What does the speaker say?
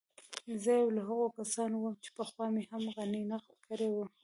زه يو له هغو کسانو وم چې پخوا مې هم غني نقد کړی و.